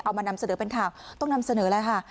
มานำเสนอเป็นข่าวต้องนำเสนอแล้วค่ะ